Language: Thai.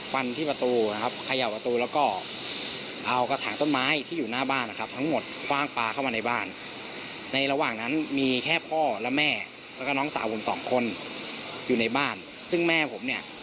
ฟังเสียงผู้เสียหายค่ะ